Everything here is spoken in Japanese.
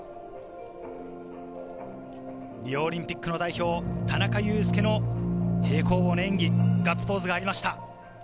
リオオリンピックの代表・田中佑典の平行棒の演技、ガッツポーズがありました。